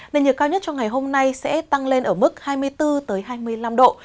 nền nhiệt cao nhất cho ngày hôm nay sẽ tăng lên ở mức hai mươi bốn hai mươi năm độ